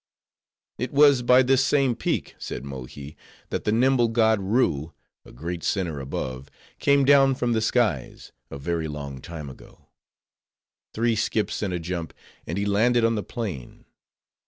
"It was by this same peak," said Mohi, "that the nimble god Roo, a great sinner above, came down from the skies, a very long time ago. Three skips and a jump, and he landed on the plain.